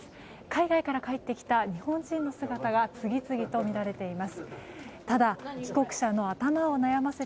海外から帰ってきた日本人の姿が次々とみられています。